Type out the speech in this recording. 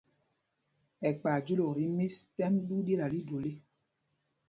Ɛkpay júlûk tí mís t́ɛ́m ɗū ɗí ta lii dol ê.